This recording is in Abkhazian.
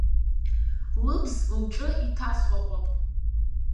Лыбз лҿы иҭасҟәаҟәап!